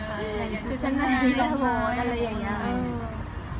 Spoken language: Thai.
เออคือเชื่อมรับเชื่อมรับอะไรอย่างเงี้ย